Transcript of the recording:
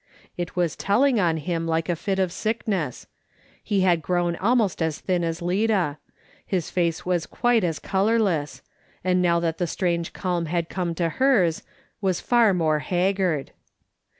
It was telling on him like a fit of sickness He had grown almost as thin as Lida ; his face was quite as colourless ; and now that the strange calm had come to hers, was far more haggard.